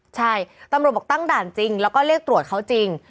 ใช่ตำรวจบอกตั้งด่านจริงแล้วก็เรียกตรวจเขาจริง